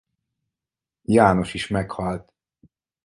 János is meghalt.